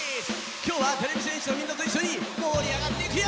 今日はてれび戦士のみんなといっしょに盛り上がっていくよ！